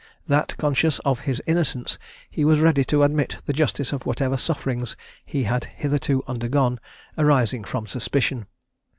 That, conscious of his innocence, he was ready to admit the justice of whatever sufferings he had hitherto undergone, arising from suspicion.